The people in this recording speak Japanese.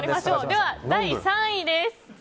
では、第３位です。